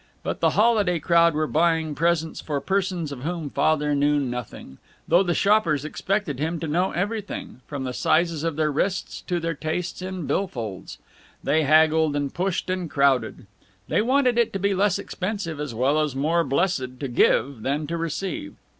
But the holiday crowd were buying presents for persons of whom Father knew nothing though the shoppers expected him to know everything, from the sizes of their wrists to their tastes in bill folds. They haggled and pushed and crowded; they wanted it to be less expensive, as well as more blessed, to give than to receive.